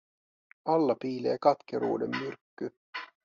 Alla piilee katkeruuden myrkky.